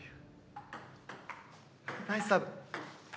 ナイスサーブ。